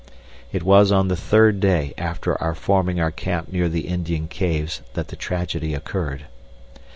It was on the third day after our forming our camp near the Indian caves that the tragedy occurred.